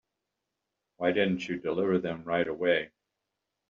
Why didn't you deliver them right away?